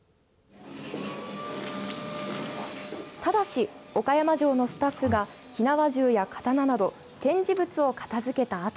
ただし、岡山城のスタッフが火縄銃や刀など展示物を片づけたあと。